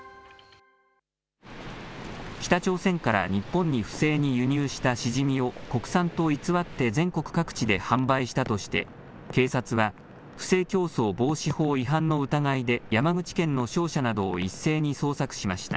北朝鮮から日本に不正に輸入したシジミを国産と偽って全国各地で販売したとして、警察は不正競争防止法違反の疑いで、山口県の商社などを一斉に捜索しました。